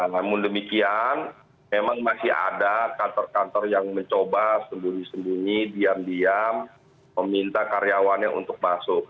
namun demikian memang masih ada kantor kantor yang mencoba sembunyi sembunyi diam diam meminta karyawannya untuk masuk